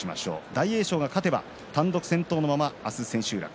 大栄翔が勝てば単独先頭のまま明日千秋楽。